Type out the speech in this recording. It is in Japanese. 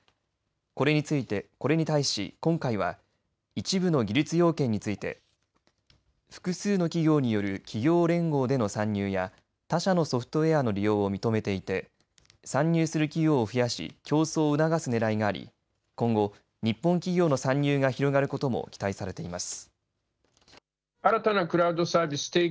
これに対し今回は一部の技術要件について複数の企業による企業連合での参入や他社のソフトウエアの利用を認めていて参入する企業を増やし競争を促すねらいがあり今後、日本企業の参入が広がることも期待されています。